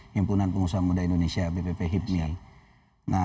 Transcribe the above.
himpunan pengusaha muda indonesia bpp hipmial